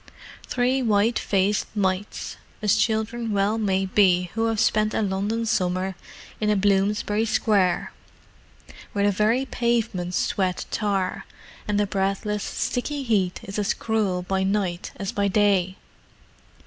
Three white faced mites, as children well may be who have spent a London summer in a Bloomsbury square, where the very pavements sweat tar, and the breathless, sticky heat is as cruel by night as by day.